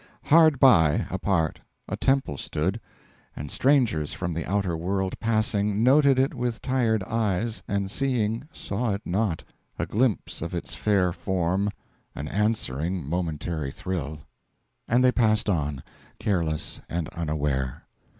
Hard by, apart, a temple stood; And strangers from the outer world Passing, noted it with tired eyes, And seeing, saw it not: A glimpse of its fair form an answering momentary thrill And they passed on, careless and unaware.